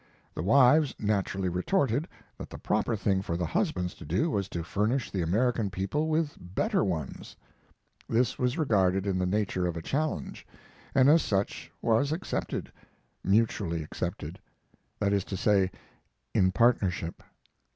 The wives naturally retorted that the proper thing for the husbands to do was to furnish the American people with better ones. This was regarded in the nature of a challenge, and as such was accepted mutually accepted: that is to say, in partnership.